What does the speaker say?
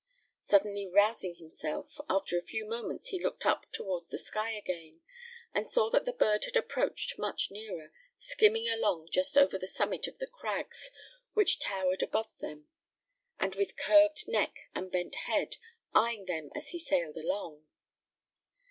Suddenly rousing himself, after a few moments he looked up towards the sky again, and saw that the bird had approached much nearer, skimming along just over the summit of the crags which towered above them, and with curved neck and bent head, eyeing them as he sailed along.